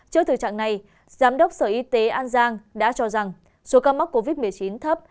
trước thực trạng này giám đốc sở y tế an giang đã cho rằng số ca mắc covid một mươi chín thấp